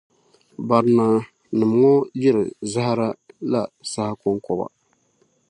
Barinanim ŋɔ yiri zahara la saha kɔŋkɔba.